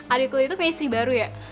adik lo itu punya istri baru ya